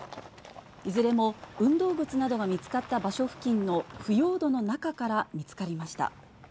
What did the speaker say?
いずれも運動靴などが見つかった場所付近の、腐葉土の中から見つかりました。